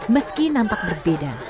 meski nampak berbeda